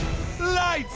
ライト！